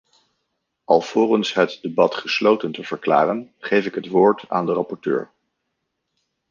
Alvorens het debat gesloten te verklaren, geef ik het woord aan de rapporteur.